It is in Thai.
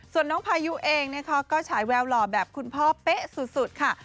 ส่วนน้องพายุเองนะคะก็ฉายแววหล่อแบบคุณพ่อเป๊ะสุดค่ะ